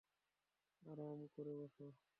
আরাম করে বস।